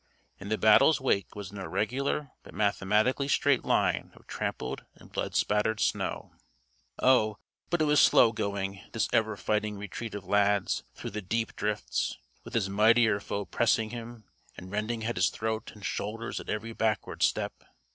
In the battle's wake was an irregular but mathematically straight line of trampled and blood spattered snow. Oh, but it was slow going, this ever fighting retreat of Lad's, through the deep drifts, with his mightier foe pressing him and rending at his throat and shoulders at every backward step!